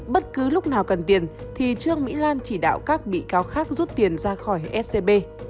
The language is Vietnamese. bất cứ lúc nào cần tiền thì trương mỹ lan chỉ đạo các bị cáo khác rút tiền ra khỏi scb